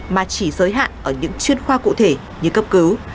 mà chỉ giới hạn ở những chuyên khoa cụ thể như cấp cứu